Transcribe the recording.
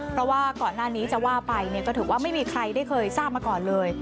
เพราะว่าก่อนหน้านี้จะว่าไปก็ถือว่าไม่มีใครได้เคยทราบมาก่อนเลย